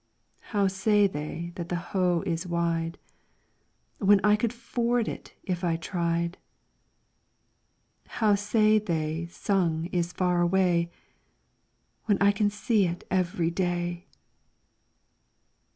How say they that the Ho is wide, When I could ford it if I tried ? How say they Sung is far away, When I can see it every day